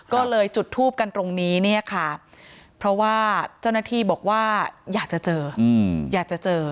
ก็เลยจุดทูบกันตรงนี้เนี่ยค่ะเพราะว่าเจ้าหน้าที่บอกว่าอยากจะเจออยากจะเจอ